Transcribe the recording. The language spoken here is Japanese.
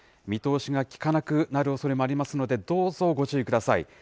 見通しが利かなくなるおそれもありますので、どうぞご注意ください。